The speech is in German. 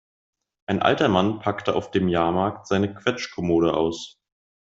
Ein alter Mann packte auf dem Jahrmarkt seine Quetschkommode aus.